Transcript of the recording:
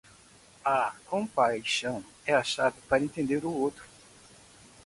A compaixão é a chave para entender o outro.